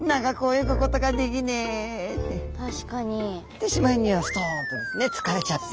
でしまいにはストンとですね疲れちゃって。